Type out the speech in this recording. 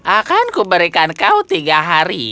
akanku berikan kau tiga hari